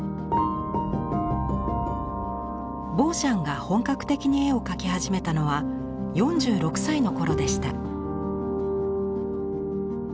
ボーシャンが本格的に絵を描き始めたのは４６歳の頃でした。